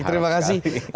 oke terima kasih